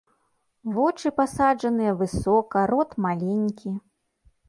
Вочы пасаджаныя высока, рот маленькі.